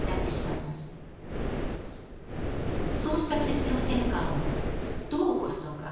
そうしたシステム転換をどう起こすのか？